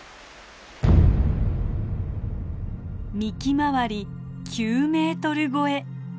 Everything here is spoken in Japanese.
幹周り９メートル超え！